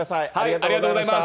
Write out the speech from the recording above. ありがとうございます。